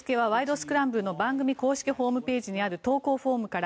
スクランブル」の番組公式ホームページにある投稿フォームから。